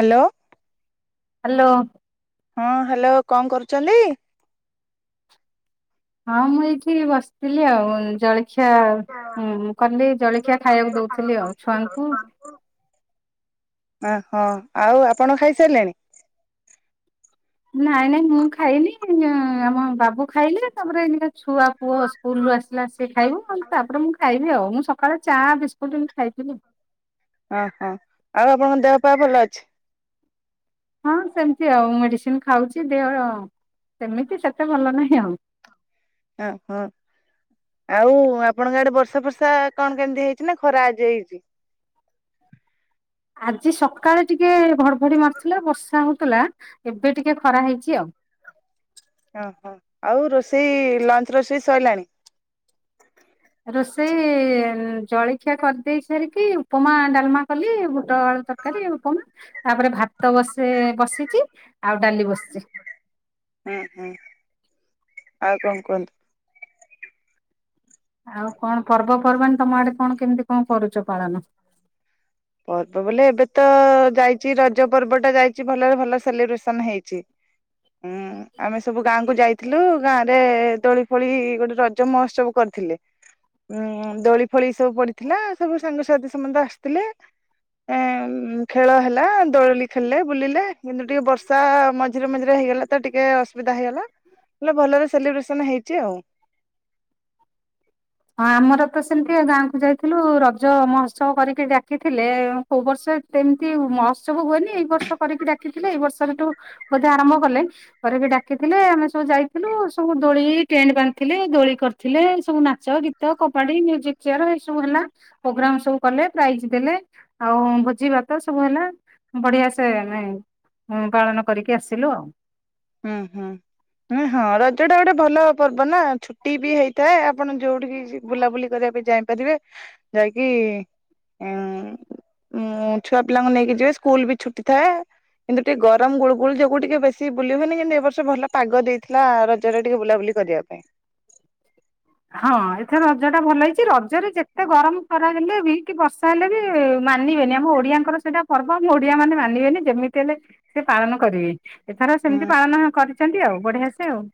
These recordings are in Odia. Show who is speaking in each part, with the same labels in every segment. Speaker 1: ହ୍ୟାଲୋ।
Speaker 2: ହ୍ୟାଲୋ।
Speaker 1: ହଁ ହ୍ୟାଲୋ କଣ କରୁଛନ୍ତି?
Speaker 2: ହଁ ମୁଁ ଏଇଠି ବସିଥିଲି ଆଉ ଉଁ ଜଳଖିଆ
Speaker 1: ଜଳଖିଆ
Speaker 2: କଲି, ଜଳଖିଆ ଖାଇବାକୁ ଦଉଥିଲି ଆଉ ଛୁଆଙ୍କୁ।
Speaker 1: ଅହଁ ଆଉ ଆପଣ ଖାଇସାରିଲେଣି?
Speaker 2: ନାଇଁ ନାଇଁ ମୁଁ ଖାଇନି, ଆମ ବାବୁ ଖାଇଲେ ତାପରେ ଛୁଆ ପୁଅ ସ୍କୁଲ ରୁ ଆସିଲା ସେ ଖାଇବ ତାପରେ ମୁଁ ଖାଇବି ଆଉ, ମୁଁ ସକାଳେ ଚାହା ବିସ୍କୁଟ ସ୍କୁଟ ଖାଇଥିଲି।
Speaker 1: ହଁ ହଁ ଆଉ ଆପଣଙ୍କ ଦେହ ପା ଭଲ ଅଛି?
Speaker 2: ହଁ ସେମିତି ଆଉ, ମେଡିସିନ ଖାଉଛି ଦେହ ସେମିତି ସେତେ ଭଲ ନାହିଁ ଆଉ।
Speaker 1: ଅ ହ। ଆଉ ଆପଣଙ୍କ ଆଡେ ବର୍ଷା ଫର୍ଷା କଣ କେମିତି ହେଇଛି ନା ଖରା ଆଜି ହେଇଛି?
Speaker 2: ଆଜି ସକାଳେ ଟିକେ ଘଡ ଘଡି ମାରୁଥିଲା, ବର୍ଷା ହଉଥିଲା, ଏବେ ଟିକେ ଖରା ହେଇଛି ଆଉ।
Speaker 1: ଓହୋ ଆଉ ରୋଷେଇ ଲଞ୍ଚ ରୋଷେଇ ସରିଲାଣି?
Speaker 2: ରୋଷେଇ ଜଳଖିଆ କରିଦେଇ ସାରିକି ଉପମା, ଡାଲମା କଲି ବୁଟ ଆଳୁ ତରକାରି ରୁଟି, ଉପମା ତାପରେ ଭାତ ବସେ ସେ ବସିଛି ଆଉ ଡାଲି ବସିଛି।
Speaker 1: ହୁଁ ହୁଁ ଆଉ କଣ କୁହନ୍ତୁ।
Speaker 2: ଆଉ କଣ ପର୍ବପର୍ବାଣୀ ତମ ଆଡେ କଣ କେମିତି କଣ କରୁଛ ପାଳନ?
Speaker 1: ପର୍ବ ବୋଲେ ଏବେ ତ ଯାଇଛି ରଜ ପର୍ବ ଟା ଯାଇଛି ଭଲରେ ଭଲ ସେଲିବ୍ରେସନ ହେଇଛି। ହୁଁ ଆମେ ସବୁ ଗାଁ କୁ ଯାଇଥିଲୁ, ଗାଁ ରେ ଦୋଳି ଫୋଳି ଗୋଟେ ରଜ ମହୋତ୍ସବ କରି ଥିଲେ, ଉଁ ଦୋଳି ଫୋଳି ସବୁ ପଡିଥିଲା ସବୁ ସାଙ୍ଗସାଥି ସମସ୍ତେ ଆସିଥିଲେ। ଉଁ ଖେଳ ହେଲା ଦୋଳି ଖେଳିଲେ ବୁଲିଲେ କିନ୍ତୁ ଟିକେ ବର୍ଷା ମଝିରେ ମଝିରେ ହେଇଗଲା ତ ଟିକେ ଅସୁବିଧା ହେଇଗଲା ହେଲେ ଭଲରେ ସେଲିବ୍ରେଶନ ହେଇଛି ଆଉ।
Speaker 2: ହଁ ଆମର ତ ସେମିତି ଗାଁ କୁ ଯାଇଥିଲୁ ରଜ ମହୋତ୍ସବ କରିକି ଡାକିଥିଲେ, କୋଉ ବର୍ଷ ସେମିତି ମହଉତ୍ସବ୍ ହୁଏନି ଏଇ ବର୍ଷ କରିକି ଡାକିଥିଲେ, ଏଇ ବର୍ଷଠୁ ବୋଧେ ଆରମ୍ଭ କଲେ ଡାକିଥିଲେ, ଆମେ ସବୁ ଯାଇଥିଲୁ, ସବୁ ଦୋଳି ଟେଣ୍ଟ ବାନ୍ଧିଥିଲେ, ଦୋଳି କରିଥିଲେ ସବୁ ନା ନାଚ, ଗୀତ, କବାଡି, ମିଉଜିକ ଚେୟାର, ଏ ସବୁ ହେଲା ପ୍ରୋଗ୍ରାମ ସବୁ କଲେ ପ୍ରାଇଜ ଦେଲେ, ଆଉ ଭୋଜି ଭାତ ସବୁ ହେଲା ବଢିଆ ସେ ଆମେ ପାଳନ କରିକି ଆସିଲୁ ଆଉ।
Speaker 1: ହୁଁ ହୁଁ। ଉଁ ହଁ ରଜ ଟା ଗୋଟେ ଭଲ ପର୍ବ ନା ଛୁଟି ବି ହେଇଥାଏ ଆପଣ ଯୋଉଠିକି ଯି ବୁଲାବୁଲି କରିବା ଯାଇପାରିବେ, ଯାଇକି
Speaker 2: [unintelligible]
Speaker 1: ଉଁ ଛୁଆ ପିଲାଙ୍କୁ ନେଇକି ଯିବେ ସ୍କୁଲ ବି ଛୁଟି ଥାଏ କିନ୍ତୁ ଟିକେ ଗରମ ଗୁଳୁ ଗୁଳି ଯୋଗୁ ଟିକେ ବେଶୀ ବୁଲି ହୁଏନି କିନ୍ତୁ ଏବ ବର୍ଷ ଭଲ ପାଗ ଦେଇଥିଲା ରଜରେ ଟିକେ ବୁଲାବୁଲି କରିବା ପାଇଁ।
Speaker 2: ହଁ ଏଥରେ ରଜ ଟା ଭଲ ହେଇଛି ରଜରେ ଯେତେ ଗରମ ଖରା ହେଲେ ବି କି ବର୍ଷା ହେଲେ ବି। ମାନିବେନି ଆମ ଓଡିଆଙ୍କର ସେଇଟା ପର୍ବ, ଆମ ଓଡିଆ ମାନେ ମାନିବେନି ଯେମିତି ହେଲେ ସେ ପାଳନ କରିବେ। ଏଥର
Speaker 1: ହୁଁ
Speaker 2: ସେମିତି ପାଳନ କରିଛନ୍ତି ଆଉ ବଢିଆ ସେ ଆଉ।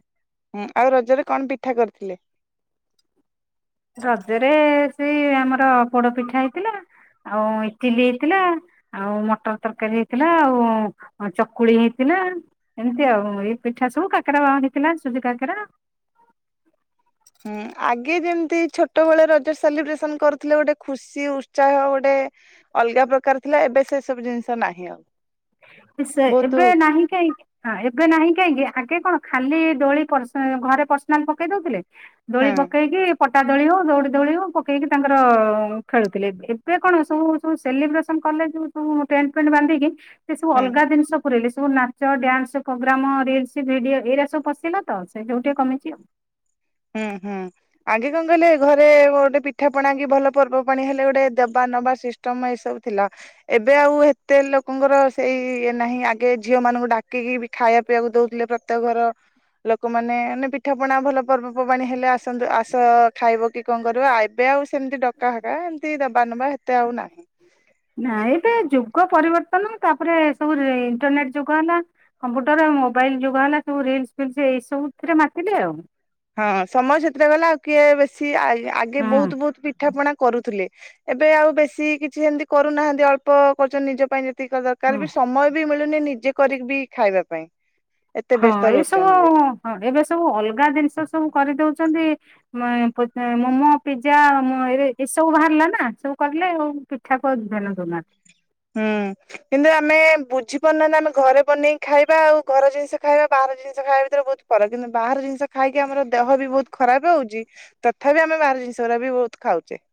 Speaker 1: ହୁଁ ଆଉ ରଜରେ କଣ ପିଠା କରିଥିଲେ?
Speaker 2: ରଜରେ ସେଇ ଆମର ପୋଡ ପିଠା ହେଇଥିଲା। ଆଉ ଇଟିଲି ହେଇଥିଲା, ଆଉ ମଟର ତରକାରୀ ହେଇଥିଲା, ଆଉ ଚକୁଳି ହେଇଥିଲା। ଲା ଏମିତି ଆଉ ଏଇ ପିଠା ସବୁ କାକରା ବା ହେଇଥିଲା ସୁଜି କାକରା।
Speaker 1: [inaudible] ହୁଁ ଆଗେ ଯେମିତି ଛୋଟବେଳେ ରଜ ସେଲିବ୍ରେସନ କରୁଥିଲେ ଗୋଟେ ଖୁସି ଉତ୍ସାହ ଗୋଟେ। ଅଲଗା ପ୍ରକାର ଥିଲା ଏବେ ସେ ସବୁ ଜିନିଷ ନାହିଁ ଆଉ।
Speaker 2: ସେ
Speaker 1: ବହୁତ
Speaker 2: ଏବେ ନାହିଁ କାହିଁକି ହଁ ଏବେ। ଏବେ ନାହିଁ କାହିଁକି ଆଗେ କଣ ଖାଲି ଦୋଳି ପରସ ଘରେ ପର୍ସନାଲ ପକେଇ ଦଉଥିଲେ। ଦୋଳି
Speaker 1: ହଁ
Speaker 2: ପକେଇକି। ପଟା ଦୋଳି ହଉ ଦୌଡ଼ି ଦୋଳି ହଉ ପକେଇକି ତାଙ୍କର ଉଁ ଖେଳୁଥିଲେ ଏବେ କଣ ସବୁ ସବୁ ସେଲିବ୍ରେସନ। କଲେ ଯୋଉ ସବୁ ଟେଣ୍ଟ ଫେଣ୍ଟ ବାନ୍ଧିକି ସେ ସବୁ
Speaker 1: ହଁ
Speaker 2: ଅଲଗା ଜିନିଷ ପୁରେଇଲେ। ସବୁ ନାଚ, ଡ୍ୟାନ୍ସ ପ୍ରୋଗ୍ରାମ, ରିଲସ ଭିଡିଓ, ଏଇରା ସବୁ ପଶିଲା ତ ସେ ଯୋଗୁ ଟିକେ କମିଛି ଆଉ।
Speaker 1: ହୁଁ ହୁଁ ଆଗେ କଣ କହିଲେ ଘରେ ଗୋଟେ ପିଠା ପଣା କି ଭଲ ପର୍ବ ପାଣି ହେଲେ ଗୋଟେ ଦେବା। ନବା ସିଷ୍ଟମ୍ ଏ ସବୁ ଥିଲା, ଏବେ ଆଉ ହେତେ ଲୋକଙ୍କର ସେଇ ଇଏ ନାହିଁ ଆଗେ ଝିଅ ମା ମାନଙ୍କୁ ଡାକିକି ଖାଇଆ ପିଆକୁ ଦଉଥିଲେ। ପ୍ରତ୍ୟେକ ଘର ଲୋକମାନେ ମାନେ ପିଠା, ପଣା, ଭଲ। ପର୍ବପର୍ବାଣୀ ହେଲେ ଆସନ୍ତୁ ଆସ ଖାଇବ କି କଣ କରବ। ଅ ଏବେ ଆଉ ସେମିତି ଡକା ହକା ଏମିତି ଦବା ନବା। ନବା ହେତେ ଆଉ ନାହିଁ।
Speaker 2: ନାଇଁ ଏବେ ଯୁଗ ପରିବର୍ତ୍ତନ। ତା ପରେ ସବୁ ଇଣ୍ଟରନେଟ ଯୁଗ ହେଲା କମ୍ପୁଟର। ମୋବାଇଲ ଯୁଗ ହେଲା ସବୁ ରିଲସ ଫିଇଲ୍ସ ଏଇ ସବୁ ଥିରେ ମାତିଲେ ଆଉ।
Speaker 1: ହଁ ସମୟ ସେଥିରେ ଗଲା, ଆଉ କିଏ ବେଶୀ ଆ ଆଗେ
Speaker 2: ହୁଁ
Speaker 1: ବହୁତ ବହୁତ ପିଠା, ପଣା କରୁଥିଲେ। ଏବେ ଆଉ ବେଶୀ କିଛି ହେମତି କରୁ ନାହାନ୍ତି ଅଳ୍ପ କରୁଛନ୍ତି ନିଜ ପାଇଁ ଜେତିି ଯେତିକ ଦରକାର
Speaker 2: ହୁଁ।
Speaker 1: ବି ସମୟ ବି ମିଳୁନି ନିଜେ କରିକି ବି ଖାଇବା ପାଇଁ। ଏତେ
Speaker 2: ହଁ
Speaker 1: ବ୍ୟସ୍ତ
Speaker 2: ଏ ସବୁ
Speaker 1: ରହୁଛନ୍ତି ଯେ।
Speaker 2: ଆଉ ହଁ ଏବେ ସ ସବୁ ଅଲଗା ଜିନିଷ ସବୁ କରିଦଉଛନ୍ତି। ମେ-ପେ ମମୋ ପିଜା ଏ ସବୁ ସବୁ ବାହାରିଲା ନା ସବୁ କରିଲେ ଆଉ ପିଠା କୁ ଆଉ ଧ୍ୟାନ ଦଉନାହାନ୍ତି।
Speaker 1: ହୁଁ କିନ୍ତୁ ଆମେ ବୁଝିପାରୁନାହାନ୍ତି ଆମେ ଘରେ ବନେଇକି ଖାଇବା ଆଉ ଘର ଜିନିଷ ଖାଇବା ବାହାର। ଜିନିଷ ଖାଇବା ଭିତରେ ବହୁତ୍ ଫରକ୍ କିନ୍ତୁ ବାହାର ଜିନିଷ ଖାଇକି ଆମର ଦେହ ବି ବହୁତ ଖରାପ ହଉଛି ତଥାପି ଆମେ ବାହାର। ଜିନିଷ ଗୁରା ବି ବହୁତ ଖାଉଛେ।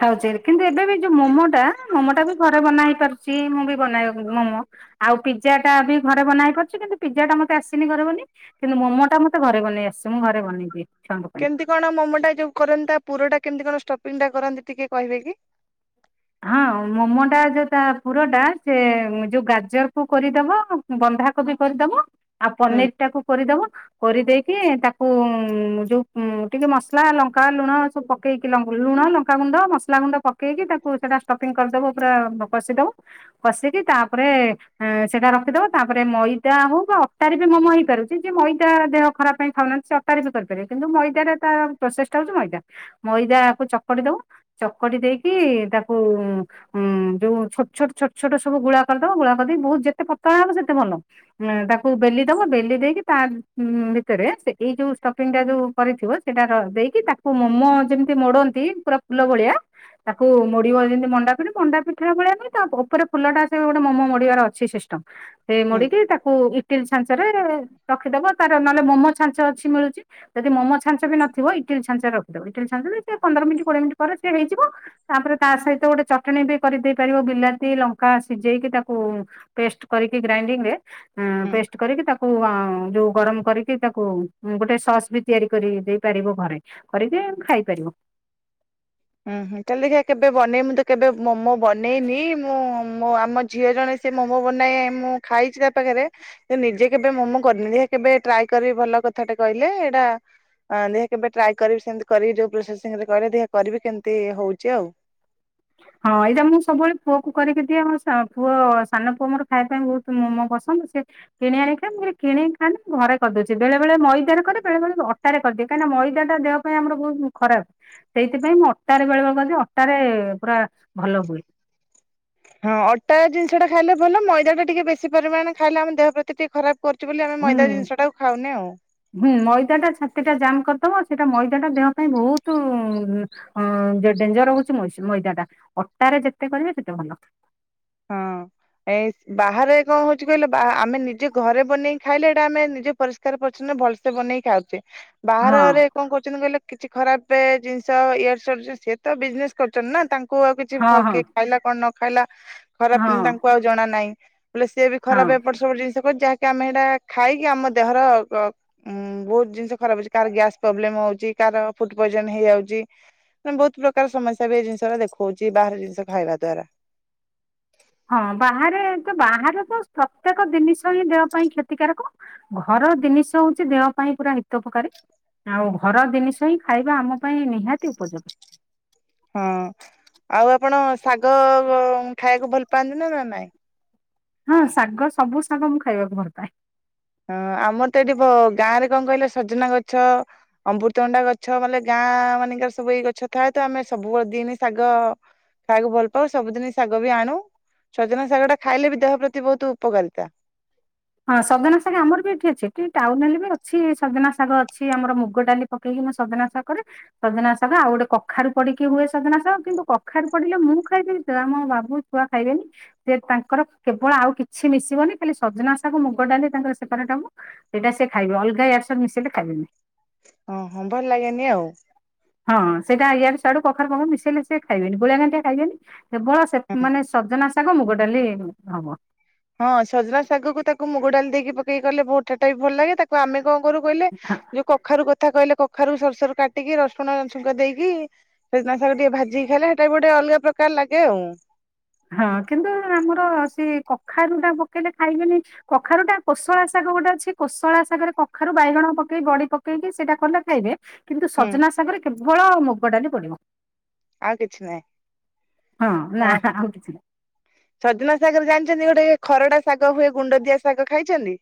Speaker 2: ଖାଉଛେ କିନ୍ତୁ ଏବେ ବି ଯୋଉ ମୋମୋ ଟା ମୋମୋ ଟା ବି ଘରେ ବନା ହେଇ ପାରୁଛି। ମୁଁ ବି ବନେଇବାକୁ ମୋମୋ ଆଉ ପିଜା ଟା ବି ଘରେ ବନା ହେଇପାରୁଛି କିନ୍ତୁ ପିଜା ଟା ମତେ ଆସିନି ଘରେ ବନେଇ। କିନ୍ତୁ ମୋମୋ ଟା ମତେ ଘରେ ବନେଇ ଆସେ ମୁଁ ଘରେ ବନେଇଦିଏ। ଛୁଆଙ୍କ ପାଇଁ।
Speaker 1: କେମିତି କଣ ମୋମୋ ଟା ଯୋଉ କରନ୍ତି ତା ପୁର ଟା କେମିତି କଣ। ଷ୍ଟପିଂ ଟା କରନ୍ତି ଟିକେ କହିବେ କି?
Speaker 2: ହଁ ମୋମୋ ଟା ଯୋଉ ତା ପୁରଟା ସେ ଯୋଉ ଗାଜରକୁୁ କୋରିଦବ। ବନ୍ଧା କୋବି କୋରିଦବ ଆଉ
Speaker 1: ହୁଁ
Speaker 2: ପନିର୍ ଟାକୁ କୋରିଦବ କୋରିଦେଇକି। କି ତାକୁ ଯୋଉ। ଉଁ ଟିକେ ମସଲା ଲଙ୍କା ଲୁଣ ସବୁ ପକେଇକି ଲୁଣ ଲଙ୍କାଗୁଣ୍ଡ ମସଲା ଗୁଣ୍ଡ ପକେଇକି ତାକୁ। ସେଟା ଷ୍ଟପିଂ କରିଦବ ପୁରା କସିଦବ କସିକି। ତାପରେ ସେଇଟା ରଖିଦେବ ତାପରେ ମଇଦା ହଉ ବା ଅଟାରେ ବି ମୋମୋ ହେଇପାରୁଛି ଯେ ମଇଦା। କାର ଦେହ ଖରାପ ପାଇଁ ଖାଉ ନାହାନ୍ତି ସେ ଅଟାରେ ବି କରି ପାରିବେ କିନ୍ତୁ ମଇଦା ରେ ତା ପ୍ରସେସ୍ ଟା ହଉଛି ମଇଦା ମଇଦାକୁ ଚକଡି ଦବ ଚକଟି ଦେଇକି। ତାକୁ ଉଁ ଯୋଉ ଛୋଟ ଛୋଟ ଛୋଟ ଛଟ ସବୁ ଗୁଳା କରିଦବ ଗୁଳା କରିଦେଇବି ବହୁତ ଯେତେ ପତଳା ହେବ ସେତେ। ଭଲ ଏଁ ତାକୁ ବେଲି ଦବ ବେଲି ଦେଇକି ତା ଉଁ ଭିତରେ ସେ ଏଇ ଯୋଉ ଷ୍ଟୋପିଂ ଟା ଯୋଉ। କରିିଥିବ ସେଟାର ଦେଇକି ତାକୁ ମୋମୋ ଯେମତି ମୋଡନ୍ତି ପୁରା ଫୁଲ ଭଳିଆ ତାକୁ ମୋଡ଼ି। ବ ଯେମତି ମଣ୍ଡା ପିଠା ମଣ୍ଡା ପିଠା ଭଳିଆ ନୁହେଁ ତା ପ ଉପରେ ଫୁଲଟା ସେ ଗୋଟା ମୋମୋ ମୋଡ଼ିବାର ଅଛି ସିଷ୍ଟମ୍। ସେ
Speaker 1: ହୁଁ
Speaker 2: ମୋଡିକି ତାକୁ ଇଟିଲି ଛାଞ୍ଚ। ତରେ ରଖିଦବ ତାର ନହେଲେ ମୋମ ଛାଞ୍ଚ ଅଛି ମିଳୁଛି ଯଦି ମୋମ ଛାଞ୍ଚ ବି ନଥିବ ଇଟିଲ ଛାଞ୍ଚରେ ରଖିଦେବ ଇଟିଲି ଚାଞ୍ଚ ରେ ସେ ପନ୍ଦର ମିନିଟ୍ କୋଡିଏ ମିନିଟ୍ ପରେ ସେ ହେଇଯିବ। ତାପରେ ତା ସହିତ ଗୋଟେ ଚଟନି ବି କରିଦେଇ ପାରିବ ବିଲାତି, ଲଙ୍କା ସିଝେଇକି ତାକୁ ପେଷ୍ଟ କରିକି ଗ୍ରାଇ ଏଣ୍ଡିଂ ରେ ହଁ
Speaker 1: ହୁଁ।
Speaker 2: ପେଷ୍ଟ କରିକି ତାକୁ ହଁ ଗରମ୍ କରିକି ତାକୁ ଗୋଟେ ସୋସ୍ ବି ତିଆରି କରି ଦେଇ ପାରିବ ଘରେ କରିକି ଖାଇପାରିବ।
Speaker 1: ହୁଁ ହୁଁ ତା ହେଲେ କେବେ ବନାଇମି ମୁଁ ତ କେବେ ମୋମୋ ବନେଇନି ମୁଁ ମୋ ଆମ ଝିଅ ଜଣେ ସେ ମୋମୋ ବନାଏ ମୁଁ ଖାଇଛି ତା ପାଖରେ ନିଜେ କେବେ ମୋମୋ କରିନି ଦେଖିବା କେବେ ଟ୍ରାଏ କରିବି ଭଲ କଥା ଟେ କହିଲେ ଏଇଟା ଦେଖିବା କେବେ ଟ୍ରାଏ କରିବି ସେମିତି କରିବି ଯଉ ପ୍ରୋସେସିଙ୍ଗ ରେ କହିଲେ କରିବି କେମିତି ହୋଉଛି ଆଉ।
Speaker 2: ହଁ ଏଇଟା ମୁଁ ସବୁବେଳେ ପୁଅକୁ କରିକି ଦିଏ ପୁଅ ସାନ ପୁଅ ମୋର ଖାଇବା ପାଇଁ ବହୁତ ମୋମୋ ପ ସନ୍ଦ ସେ କିଣି ଆଣ ଖଏ ମୁଁ କହିଲି କିଣିକି ଖାନା ଘରେ କରିଦଉଛି। ବେଳେବେଳେ ମଇଦାରେ କରେ ବେଳେବେଳେ ଅଟାରେ କ କାହିଁକିନା ମଇଦାଟା ଦେହ ପାଇଁ ଆମର ବହୁତ ଖରାପ ସେଇଥିପାଇଁ ମୁଁ ଅଟାରେ ବେଳେବେଳେ କରି ଦିଏ ଅଟାରେ ପୁରା ଭଲ ହୁଏ।
Speaker 1: ହଁ ଅଟା ଜିନିଷ ଟା ଖାଇଲେ ଭଲ ମଇଦା ଟା ଟିକେ ବେଶୀ ପରିମାଣ ଖାଇଲେ ଆମ ଦେହ ପ୍ରତିି ଟିକେ ଖରାପ କରୁଛି ବୋଲି ଆମେ
Speaker 2: ହୁଁ
Speaker 1: ମଇଦା ଜିନିଷ ଟାକୁ ଖାଉନେ ଆଉ।
Speaker 2: ହୁଁ ମଇଦାଟା ଛାତି ଟା ଜାମ୍ କରିଦବ ସେଟା ମଇଦାଟା ଦେହ ପାଇଁ ବହୁତ ଉଁ ଉଁ ଡେଞ୍ଜର ହେଉଛି ମଇଦା ଟା ଅଟାରେ ଯେତେ କରିବେ ସେତେ ଭଲ।
Speaker 1: ହଁ। ଏ ବାହାରେ କଣ ହଉଛି କହିଲେ ଆମେ ନିଜେ ଘରେ ବନେଇକି ଖାଇଲେ ଏଇଟା ଆମେ ନିଜ ପରିଷ୍କାର ପରିଚ୍ଛନ୍ନ ଭଲ୍ସେ ବନେଇ ଖାଉଛେ
Speaker 2: ହଁ
Speaker 1: ବାହାରରେ କଣ କରୁଛନ୍ତି କହିଲ କିଛି ଖରାପ ଜିନିଷ ୟାଡୁସ୍ୟାଡୁ ଜିନିଷ ସିଏ ତ ବିଜ୍ନେସ୍ କରୁଛନ୍ତି ନା ତା କୁ ଆଉ କିଛି
Speaker 2: ହଁ ହଁ
Speaker 1: ଫକି ଖାଇଲା କଣ ନ ଖାଇଲା
Speaker 2: ହଁ
Speaker 1: ଖରାପ ତାଙ୍କୁ ଆଉ ଜଣା ନାହିଁ। ହେଲେ ସେଏ ବି
Speaker 2: ହଁ
Speaker 1: ଖରାପ ଏପଟ ସେପଟ ଜିନିଷ ଯା ଆମେ ହେଟା ଖାଇକି ଆମ ଦେହର ଉଁ ବହୁତ ଜିନିଷ ଖରାପ ହେଉଛି କାହାର ଗ୍ୟାସ୍ ପ୍ରୋବ୍ଲେମ ହଉଛି କା କାର ଫୁଡ୍ ପଏଜନ୍ ହେଇଯାଉଛି। କା ମାନେ ବହୁତ ପ୍ରକାର ସମସ୍ୟା ବି ଏଇ ଜିନିଷ ଟା ଦେଖଉଛି ବାହାର ଜିନିଷ ଖାଇବା ଦ୍ଵାରା।
Speaker 2: ହଁ ବାହାରେ ତ ବାହାରକୁ ପ୍ରତ୍ୟେକ ଜିନିଷ ହିଁ ଦେହ ପାଇଁ କ୍ଷତିକାରକ ଘ ର ଜିନିଷ ହୋଉଛି ଦେହ ପାଇଁ ପୁରା ହିତପକାରୀ ଆଉ ଘର ଜିନିଷ ହିଁ ଖାଇବା ଆମ ପାଇଁ ନିହାତି ଉପଯୋଗୀ।
Speaker 1: ହଁ ଆଉ ଆପଣ ଶାଗ ଖାଇବାକୁ ଭଲ ପାଆନ୍ତି ନା ନା ନାଇଁ?
Speaker 2: ହଁ ଶାଗ ସବୁ ଶାଗ ମୁଁ ଖାଇବାକୁ ଭଲ ପାଏ।
Speaker 1: ହଁ ଆମର ତ ଏଠି ଗାଁ ରେ କଣ କହିଲେ ସଜନା ଗଛ ଅମୃତଭଣ୍ଡା ଗଛ ମାନେ ଗାଁ ଗାଁ ମାନଙ୍କରେ ସବୁ ଏଇ ଗଛ ଥାଏ ତ ଆମେ ସବୁବେଳେ ଦିନ ଶାଗ ଖାଇବାକୁ ଭଲ ପାଉ ସବୁଦିନ ଶାଗ ବି ଆଣୁ ସଜନା ଶାଗ ଟା ଖାଇଲେ ବି ଦେହ ପ୍ରତି ବହୁତ ଉପକାରିତା।
Speaker 2: ହଁ ସଜନା ଶାଗ ଆମର ବି ଏଠି ଅଛିଠି ଟାଉନହେଲେବି ଅଛି ସଜନା ଶାଗ ଅଛି ଆମର ମୁଗ ଡାଲି ପକେଇ ସଜନା ଶାଗରେ ସଜନା ଶାଗ ଆଉ ଗୋଟେ କଖାରୁ ପଡିକି ହୁଏ ସଜନା ଶାଗ କିନ୍ତୁ କଖାରୁ ପଡିଲେ ମୁଁ ଖାଇ ଆମ ବାବୁ ଛୁଆ ଖାଇବେନି ସେ ତାଙ୍କର କେବଳ ଆଉ କିଛି ମିଶିବନି ଖାଲି ସଜନା ଶା ତାଙ୍କୁ ମୁଗ ଡାଲି ତାଙ୍କର ସେପାରେଟ ହବ ସେଇଟା ସେ ଖାଇବେ ଅଲଗା ଏଆଡୁ ସେୟାଡୁ ମିଶିଲେ ଖାଇବେନି।
Speaker 1: ଓହୋ ଭଲ ଲାଗେନି ଆଉ।
Speaker 2: ହଁ ସେଇଟା ଏଆଡୁସିଆଡ଼ୁ କଖାରୁପଖାରୁ ମିଶେଇଲେ ସେ ଖାଇବେନି ଗୋଳିଆଘାଣ୍ଟିଆ ଖାଇବେନି କେବଳ ସେ ମାନେ ସଜନା ଶାଗ ମୁଗ ଡାଲି ହବ।
Speaker 1: ହଁ ସଜନା ଶାଗକୁ ତାକୁ ମୁଗ ଡାଲି ଦେଇକି ପକେଇିଲେ ବୋଟା ଟା ବି ଭଲ ଲାଗେ ତାକୁ ଆମେ କଣ କରୁ କହିଲେ ଯୋଉ କଖାରୁ କଥା କହିଲେ କଖାରୁ ସରୁ ସରୁ କାଟିକି ରସୁଣଛୁଙ୍କ ଦେଇକି ସଜନାଶାଗ ଟିକେ ଭାଜିକି ଖାଇଲେ ସେଇଟା ବି ଗୋଟେ ଅଲଗା ପ୍ର କାର ଲାଗେ ଆଉ।
Speaker 2: ହଁ କିନ୍ତୁ ଆମର ସେ କଖାରୁ ଟା ପକେଇଲେ ଖାଇବେନି କଖାରୁୁ ଟା କୋଶଳା ଶା ଗୋଟେ ଅଛି କୋଶଳା ଶାଗରେ କଖାରୁ ବାଇଗଣ ପକେଇ ବଡି ପକେଇକି ସେଇଟା କଲେ ଖାଇବେ କିନ୍ତୁ
Speaker 1: ହୁଁ
Speaker 2: ସଜନାଶାଗରେ କେବଳ ମୁଗ ଡାଲି ପଡିବ।
Speaker 1: ଆଉ କିଛି ନାହିଁ
Speaker 2: ନା
Speaker 1: ହଁ।
Speaker 2: ଆଉ କିଛି ନାହିଁ
Speaker 1: ସଜନାଶାଗରେ ଜାଣିଛନ୍ତି ଗୋଟେ ଖରଡା ଶାଗ ହୁଏ ଗୁଣ୍ଡ ଦିଆ ଶାଗ ଖାଇଛନ୍ତି।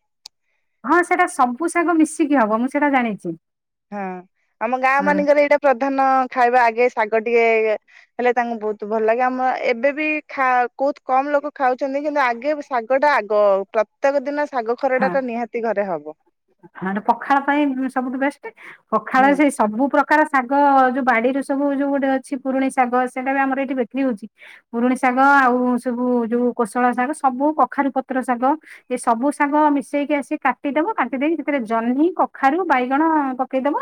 Speaker 2: ହଁ ସେଟା ସବୁ ଶାଗ ମିଶିକି ହବ ମୁଁ ସେଇଟା ଜାଣିଛି।
Speaker 1: ହଁ ଆମ ଗାଁ
Speaker 2: ହଁ
Speaker 1: ମାନଙ୍କରେ ଏଇଟା ପ୍ରଧାନ ଖାଇବା ଆଗେ ଶାଗ ଟିକେ ହେଲେ ତାଙ୍କୁ ବହୁତ ଭଲ ଲାଗେ ଆମ ଏବେ ବି ବହୁତ କମ୍ ଲୋକ ଖାଉଛନ୍ତି କିନ୍ତୁ ଆଗେ ଶାଗଟା ଆଗ ପ୍ରତ୍ୟେକ ଦିନ ଶାଗ ଖରଡା
Speaker 2: ହଁ
Speaker 1: ଟା ନିହାତି ଘରେ ହବ
Speaker 2: ହ ପଖାଳ ପାଇଁ ସବୁଠୁ ବେଷ୍ଟ ପଖାଳ
Speaker 1: ହୁଁ
Speaker 2: ସେଇ ସବୁ ପ୍ରକାର ଶାଗ ଯୋଉ ବାଡିରେ ସବୁ ଯୋଉ ଗୋଟେ ଅଛି ପୁରୁଣିଶାଗ ସେଇଟା ବି ଆମର ଏଇଠି ବିକ୍ରି ହଉଛି ପୁ ଶାଗ ଆଉ ସବୁ ଯୋଉ କୋଶଳ ଶାଗ ସବୁ କଖାରୁ ପତ୍ର ଶାଗ ଏ ସବୁ ଶାଗ ମିଶେଇକି ଆସିକି କାଟିଦବ କାଟିଦେଇକି ସେଥିରେ ଜହ୍ନି କଖାରୁ ବାଇଗଣ ପକେଇଦବ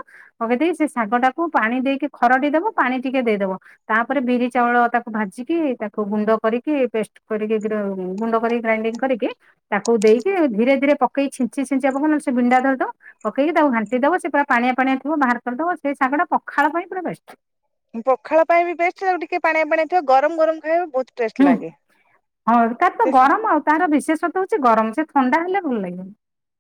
Speaker 2: ସେ ଶାଗ ଟାକୁ ପାଣି ଦେଇକି ଖରଟି ଦବ ପାଣି ଟିକେ ଦେଇଦବ ତାପରେ ବିରି ଚାଉଳ ତାକୁ ଭାଜିକି ତାକୁ ଗୁଣ୍ଡ କରିକି ପେଷ୍ଟ କରିକି ଗୁଣ୍ଡ କରି ଗ୍ରାଇଣ୍ଡିଙ୍ଗ କରିକି ତାକୁ ଦେଇକି ଧୀରେ ଧୀରେ ପକେଇ ଛିଞ୍ଚି ଛିଞ୍ଚିବା ପ ସେ ବିଣ୍ଡା ଧଦ ପକ ତାକୁ ଘାଣ୍ଟି ଦବ ସେ ପା ପାଣିଆ ପାଣିଆ ଥ ବାହାର କରିଦବ ସେଇ ଶାଗ ଟା ପଖାଳ ପାଇଁ ପୁରା ବେଷ୍ଟ୍।
Speaker 1: ପଖାଳ ପାଇଁ ବି ବେଷ୍ଟ୍ ତାକୁ ଟିକେ ପାଣିଆ ପାଣି ଥିବ ଗରମ ଗରମ ଖାଇବା ବହୁତ ଟେଷ୍ଟ
Speaker 2: ହୁଁ
Speaker 1: ଲାଗେ
Speaker 2: ହଁ କ ତ
Speaker 1: ସେ ଶା
Speaker 2: ଗରମ ଆଉ ତାର ବିଶେଷତ୍ୱ ହଉଛି ଗରମ ସେ ଥଣ୍ଡା ହେଲେ ଭଲ ଲାଗିବନି।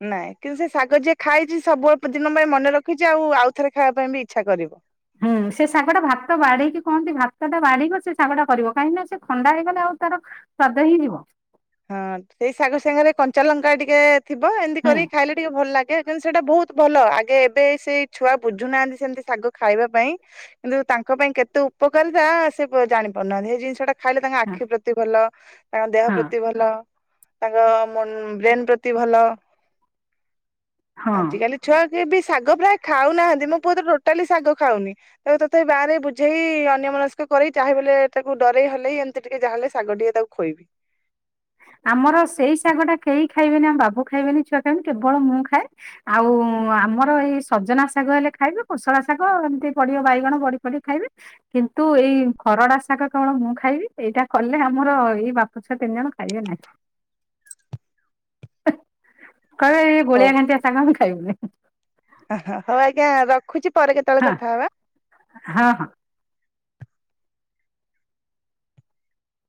Speaker 1: ନାଇଁ କିନ୍ତୁ ସେ ଶାଗ ଯିଏ ଖାଇଛି ସବୁ ଦିନ ପାଇଁ ମନେ ରଖିଛି ଆଉ ଆଉଥରେ ଖାଇବା ପାଇଁ ବି ଇଚ୍ଛା କରିବ।
Speaker 2: ହୁଁ ସେ ଶାଗ ଟା ଭାତ ବାଢେଇିକି କହନ୍ତି ଭାତ ଟା ବାଢିକି ସେ ଶାଗଟ ଟା କରିବ କାହିଁକି ନା ସେ ଥଣ୍ଡା ହେଇଗଲେ ଆଉ ତାର ସ୍ୱାଦ ହେଇଯିବ
Speaker 1: ହଁ ସେଇ ଶାଗ ସାଙ୍ଗରେ କଞ୍ଚା ଲଙ୍କା ଟିକେ ଥିବ ଏମିତି
Speaker 2: ହୁଁ
Speaker 1: କରି ଖାଇଲେ ଟିକେ ଭଲ ଲାଗେ। କିନ୍ତୁ ସେଇଟା ବହୁତ ଭଲ ଆଗେ ଏବେ ସେଇ ଛୁଆ ବୁଝୁନାହାନ୍ତି ସେମିତି ଶାଗ ଖାଇବା ପାଇଁ କିନ୍ତୁ ତାଙ୍କ ତାଙ୍କ ପାଇଁ କେତେ ଉପକାରିତା ସେ ଜାଣିପାରୁନାହାନ୍ତି ସେ ଜିନିଷ ଟା ଖାଇଲେ ତାଙ୍କ
Speaker 2: ହଁ
Speaker 1: ଆଖି ପ୍ରତି ଭଲ ତାଙ୍କ ଦେହ
Speaker 2: ହଁ।
Speaker 1: ପ୍ରତି ଭଲ ତାଙ୍କ ବ୍ରେନ୍ ପ୍ରତି ଭଲ।
Speaker 2: ହଁ।
Speaker 1: ଆଜି କାଲି ଛୁଆ ଯେ ବି ଶାଗ ପ୍ରାୟ ଖାଉନାହାନ୍ତି ମୋ ପୁଅ ତ ଟୋଟାଲି ଶାଗ ଖାଉନି ତ ତଥାପି ବାହାରେ ବୁଝେଇ ଅନ୍ୟ ମସ୍କ କରେଇ ଚାହିଁବୋଲେ ତାକୁ ଡରେଇ ହଲେଇ ଏମିତି ଟିକେ ଯାହା ହେଲେ ଶାଗ ଟିକେ ତାକୁ ଖୁଆଇବି।
Speaker 2: ଆମର ସେଇ ଶାଗଟା କେହି ଖାଇବେନି ଆମ ବାବୁ ଖାଇବେନି, ଛୁଆ ଖାଇବେନି କେବଳ ମୁଁ ଖାଏ ଆଉ ହଁ ଆମର ଏହି ସଜନା ଶାଗ ହେଲେ ଖାଇବେ, କୁଶଳ ଶାଗ ଏମିତି ପଡିବ ବାଇଗଣ ବଢି ପଡି ଖାଇବେ କିନ୍ତୁ ଏଇ ଖରଡ଼ା ଶାଗ କେବଳ ମୁଁ ଖାଇବି ଏଇଟା କଲେ ଆମର ଏଇ ବାପ ଛୁଆ ତିନି ଜଣ ଖାଇଆ ନାଇଁ [inaudible] କହଇ ଗୋଳିଆ ଘାଣ୍ଟିଆ ଶାଗ ଖାଇବୁନୁ।
Speaker 1: ଓଃ ହଉ ଆଜ୍ଞା ରଖୁଛି ପରେ କେତେବେଳେ
Speaker 2: ହଁ
Speaker 1: କଥା ହବା।
Speaker 2: ହଁ ହଁ।